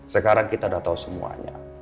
sekarang kita sudah tahu semuanya